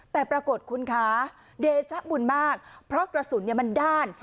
แต่ปรากฏคุณคะเดชะบุญมากเพราะกระสุนมันด้าน